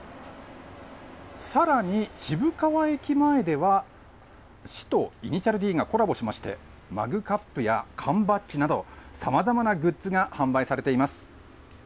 さらに渋川駅前では、市と頭文字Ｄがコラボしまして、マグカップや缶バッジなど、さまざまなグッズが販売されています。